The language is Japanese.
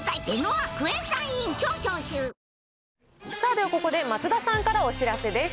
では、ここで松田さんからお知らせです。